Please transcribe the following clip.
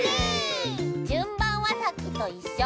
じゅんばんはさっきといっしょ。